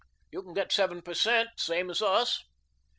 You can get seven per cent. the same as us."